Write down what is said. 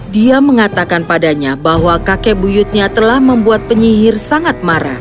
dia mengatakan padanya bahwa kakek buyutnya telah membuat penyihir sangat marah